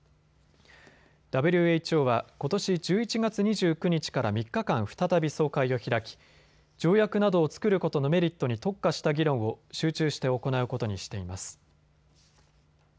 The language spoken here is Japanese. ＷＨＯはことし１１月２９日から３日間、再び総会を開き条約などを作ることのメリットに特化した議論を集中して行うことにしています。